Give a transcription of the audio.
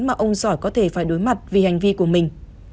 mà ông giỏi có thể phải đối mặt vì hành vi của mình